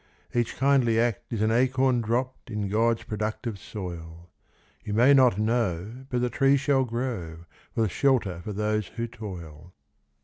Each kindly act is an acorn dropped In God's productive soil. You may not know, but the tree shall grow, With shelter for those who toil.